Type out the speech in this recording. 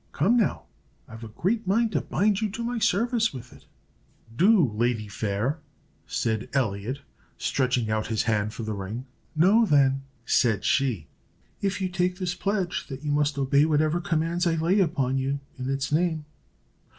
Come, now, I've a great mind to bind you to my service with it." "Do, lady fair," said Elliot, stretching out his hand for the ring. "Know, then," said she, "if you take this pledge, that you must obey whatever commands I lay upon you in its name."